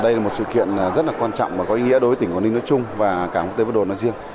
đây là một sự kiện rất là quan trọng và có ý nghĩa đối với tỉnh quảng ninh nói chung và cảng quốc tế vân đồn nói riêng